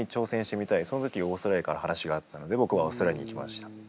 その時オーストラリアから話があったので僕はオーストラリアに行きました。